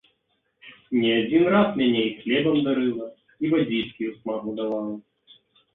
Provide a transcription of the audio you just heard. Не адзін раз мяне і хлебам дарыла, і вадзічкі ў смагу давала.